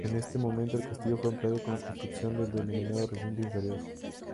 En este momento el castillo fue ampliado con la construcción del denominado recinto inferior.